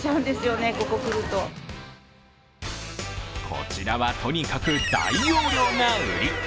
こちらは、とにかく大容量が売り